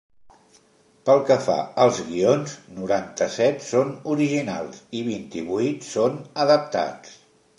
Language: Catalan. Pel que fa als guions, noranta-set són originals i vint-i-vuit són adaptats.